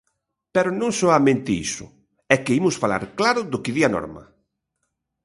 Pero non soamente iso, é que imos falar claro do que di a norma.